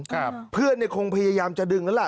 ครับเพื่อนเนี้ยคงพยายามจะดึงนั่นแหละ